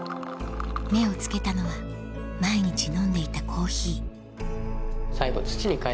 目をつけたのは毎日飲んでいたコーヒー